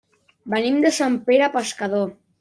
Venim de Sant Pere Pescador.